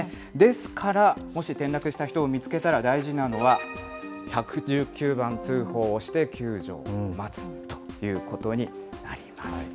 ですから、もし転落した人を見つけたら、大事なのは１１９番通報をして救助を待つということになります。